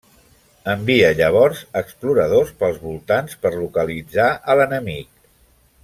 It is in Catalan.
Envia llavors exploradors pels voltants per localitzar a l'enemic.